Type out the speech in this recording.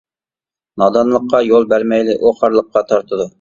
نادانلىققا يول بەرمەيلى، ئۇ خارلىققا تارتىدۇ.